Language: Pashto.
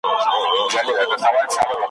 زړه مي ستا سره پیوند وي زه او ته اوسو جانانه ,